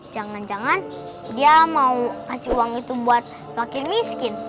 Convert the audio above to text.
jangan jangan dia mau kasih uang itu buat makin miskin